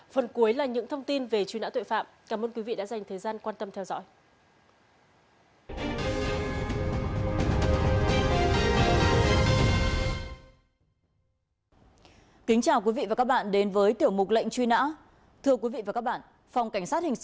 phần cuối là những thông tin về truy nã tội phạm cảm ơn quý vị đã dành thời gian quan tâm theo dõi